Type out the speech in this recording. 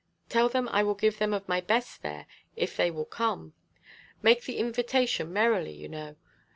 Tell them I will give them of my best there if they will come. Make the invitation merrily, you know.